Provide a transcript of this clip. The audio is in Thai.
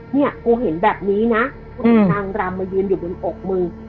เนี่ยกูเห็นแบบนี้นะกูเห็นนางรำมายืนอยู่บนอกมึง